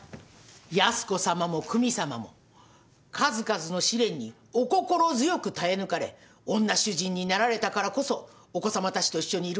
八寿子さまも久美さまも数々の試練にお心強く耐え抜かれ女主人になられたからこそお子さまたちと一緒にいることができたのです。